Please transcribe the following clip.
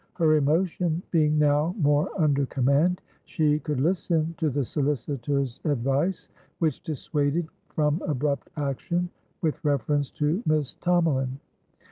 Her emotion being now more under command, she could listen to the solicitor's advice, which dissuaded from abrupt action with reference to Miss Tomalin.